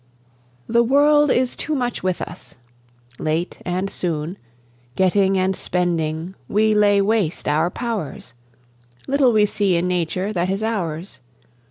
The world is too much with us; late and soon, Getting and spending, we lay waste our powers; Little we see in Nature that is ours.